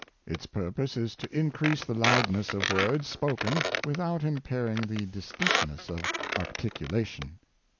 Its purpose is to in crease the loudness of words spoken without imparing the distinctness of articulation.